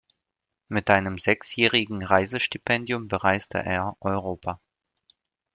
Mit einem sechsjährigen Reisestipendium bereiste er Europa.